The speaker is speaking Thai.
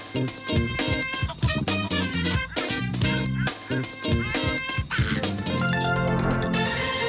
คุณจองขวานรออยู่นะครับสวัสดีค่ะ